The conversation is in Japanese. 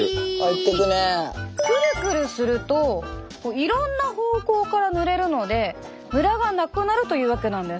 クルクルするといろんな方向から塗れるのでムラがなくなるというわけなんです。